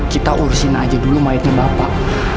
kita urusin aja dulu mayatnya bapak